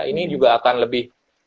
ini juga akan lebih